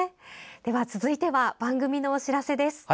続いては番組のお知らせです。